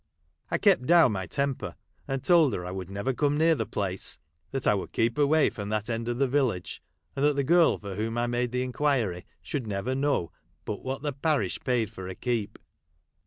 I kept down my temper, and told her I would never come near the place ; that I would keep away from that end of the village ; and that the girl for whom I made the inquiry should never know but what the parish paid for her keep.